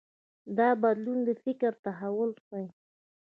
دا بدلون د فکر تحول ښيي.